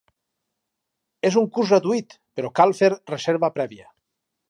És un curs gratuït, però cal fer reserva prèvia.